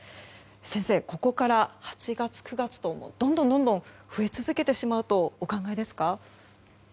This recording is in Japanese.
先生、ここから８月、９月とどんどんどんどん増え続けてしまうとお考えですか？